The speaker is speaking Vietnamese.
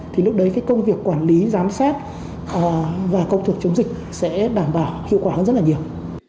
thì lúc đấy cái công việc quản lý giám sát và công cuộc chống dịch sẽ đảm bảo hiệu quả hơn rất là nhiều